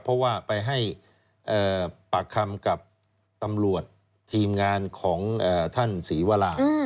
เพราะว่าไปให้ปากคำกับตำรวจทีมงานของท่านศรีวรา